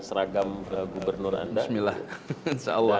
seragam gubernur anda